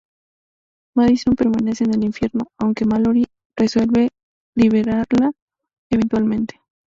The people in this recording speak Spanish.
Madison permanece en el infierno, aunque Mallory resuelve liberarla eventualmente.